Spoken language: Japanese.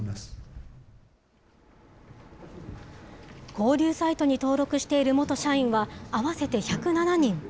交流サイトに登録している元社員は合わせて１０７人。